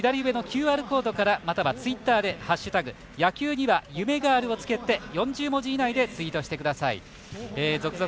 投稿は、左上のＱＲコードからまたはツイッターで「＃野球には夢がある」を付けて４０文字以内でツイートしてください。